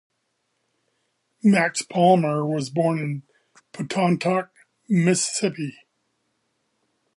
Max Palmer was born in Pontotoc, Mississippi.